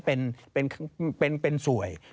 เป็นสวย